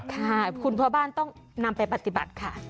ค่ะคุณพ่อบ้านต้องนำไปปฏิบัติค่ะ